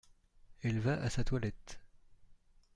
Elle va à sa toilette.